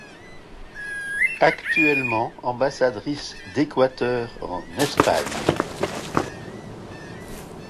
Actuellement ambassadrice d'Équateur en Espagne.